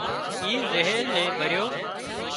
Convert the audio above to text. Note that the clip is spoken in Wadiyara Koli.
اي زهر ني ڀريون